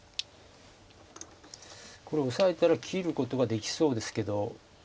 これオサえたら切ることができそうですけど。